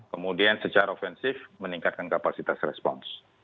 kemudian secara ofensif meningkatkan kapasitas respons